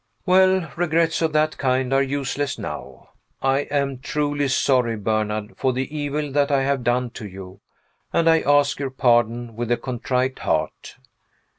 Well, regrets of that kind are useless now. I am truly sorry, Bernard, for the evil that I have done to you; and I ask your pardon with a contrite heart.